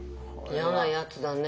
嫌なやつだね。